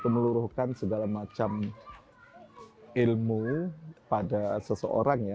meluruhkan segala macam ilmu pada seseorang ya